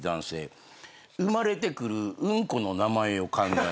産まれてくるウンコの名前を考える。